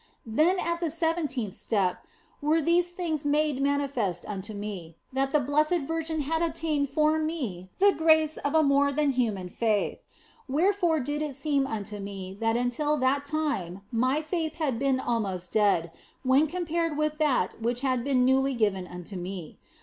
Then at the seventeenth step were these things made manifest unto me, that the Blessed Virgin had obtained for me the grace of a more than human faith ; wherefore did it seem unto me that until that time my faith had been almost dead, when compared with that which had been newly given unto me.